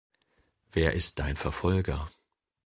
Wer ist dein Verfolger?